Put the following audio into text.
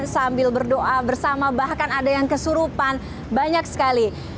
sambil berdoa bersama bahkan ada yang kesurupan banyak sekali